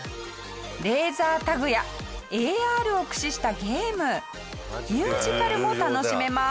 レーザータグやＡＲを駆使したゲームミュージカルも楽しめます。